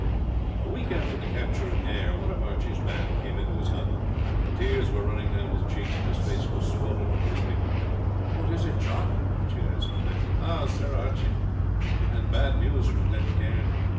A week after the capture of Ayr one of Archie's band came into his hut. Tears were running down his cheeks, and his face was swollen with weeping. "What is it, Jock?" Archie asked kindly. "Ah! Sir Archie! we have bad news from Glen Cairn.